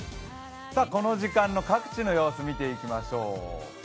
この時間の各地の様子見ていきましょう。